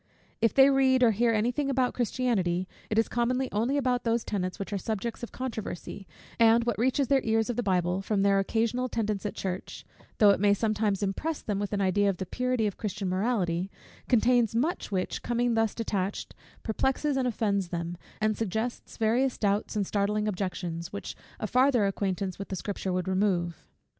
If they read or hear any thing about Christianity, it is commonly only about those tenets which are subjects of controversy: and what reaches their ears of the Bible, from their occasional attendance at church; though it may sometimes impress them with an idea of the purity of Christian morality, contains much which, coming thus detached, perplexes and offends them, and suggests various doubts and startling objections, which a farther acquaintance with the Scripture would remove.